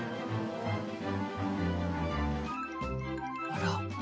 あら。